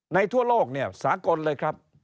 ในทั่วโลกสากลเลยครับ